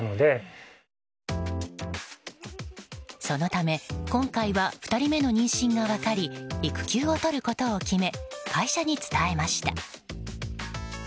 そのため、今回は２人目の妊娠が分かり育休を取ることを決め会社に伝えました。